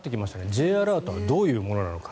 Ｊアラートはどういうものなのか。